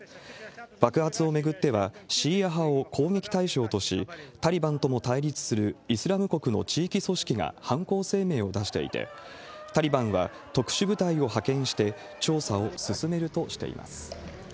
爆発を巡っては、シーア派を攻撃対象とし、タリバンとも対立するイスラム国の地域組織が犯行声明を出していて、タリバンは特殊部隊を派遣して調査を進めるとしています。